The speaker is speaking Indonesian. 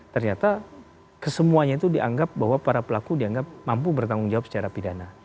ternyata kesemuanya itu dianggap bahwa para pelaku dianggap mampu bertanggung jawab secara pidana